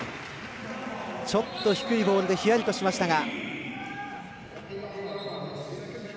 ちょっと低いボールでひやりとしましたが。